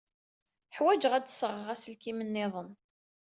Ḥwajeɣ ad d-sɣeɣ aselkim niḍen.